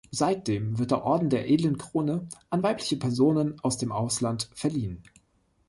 Seitdem wird der "Orden der Edlen Krone" an weibliche Personen aus dem Ausland verliehen.